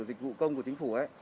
dịch vụ công của chính phủ